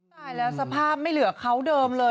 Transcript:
ตายแล้วสภาพไม่เหลือเขาเดิมเลย